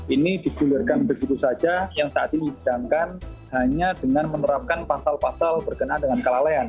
ini digulirkan begitu saja yang saat ini sedangkan hanya dengan menerapkan pasal pasal berkenaan dengan kelalaian